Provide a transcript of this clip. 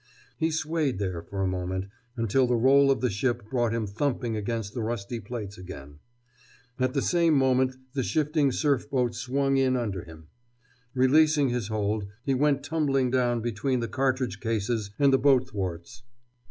He swayed there, for a moment, until the roll of the ship brought him thumping against the rusty plates again. At the same moment the shifting surf boat swung in under him. Releasing his hold, he went tumbling down between the cartridge cases and the boat thwarts.